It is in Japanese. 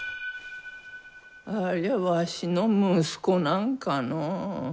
ありゃわしの息子なんかのう？